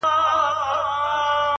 علم د عقل غذا ده.!